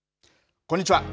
こんにちは。